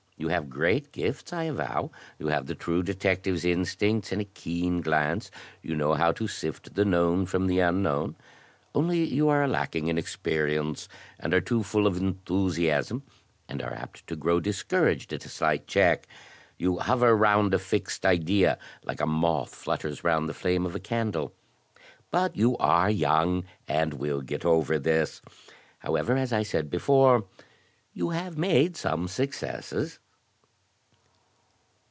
You have great gifts, I avow, you have the true detective's instincts, and a keen glance, you know how to sift the known from the imknown; only you are lacking in experience, and are too full of enthusiasm, and are apt to grow discouraged at a slight check. You hover round a fixed idea like a moth flutters round the flame of a candle; but you are yotmg, and will get over this; however, as I said before, you have made some successes."